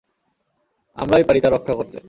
আমরাই পারি তা রক্ষা করতে।